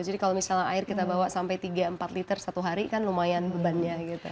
jadi kalau misalnya air kita bawa sampai tiga empat liter satu hari kan lumayan bebannya gitu